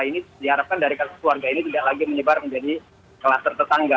ini diharapkan dari kasus keluarga ini tidak lagi menyebar menjadi kluster tetangga